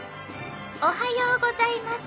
おはようございます。